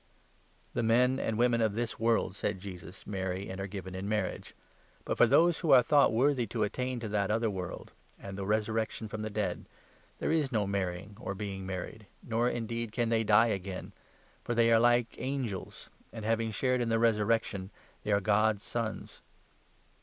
" "The men and women of this world," said Jesus, "marry 34 and are given in marriage ; but, for those who are thought 35 worthy to attain to that other world and the resurrection from the dead, there is no marrying or being married, nor 36 indeed can they die again, for they are like angels and, having shared in the resurrection, they are God's Sons.